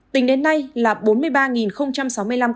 tính đến nay là bốn mươi ba sáu mươi năm ca